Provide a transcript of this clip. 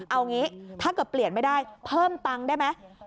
เอางี้ถ้าเกิดเปลี่ยนไม่ได้เพิ่มตังค์ได้ไหม